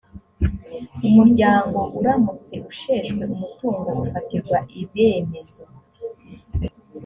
umuryango uramutse usheshwe umutungo ufatirwa ibemezo